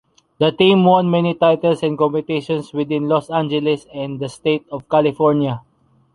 The team won many titles in competitions within Los Angeles and the State of California.